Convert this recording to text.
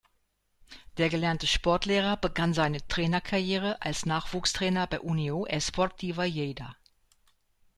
Der gelernte Sportlehrer begann seine Trainerkarriere als Nachwuchstrainer bei Unió Esportiva Lleida.